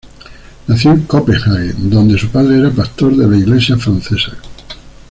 Nació en Copenhague, donde su padre era pastor de la iglesia francesa.